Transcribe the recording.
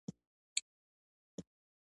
لوحې ویل کله جادو کار کوي او کله نه کوي